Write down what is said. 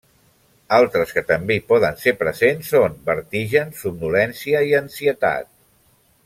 Altres que també hi poden ser present són: vertigen, somnolència i ansietat.